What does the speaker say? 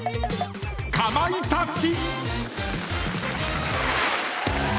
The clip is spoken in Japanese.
かまいたち。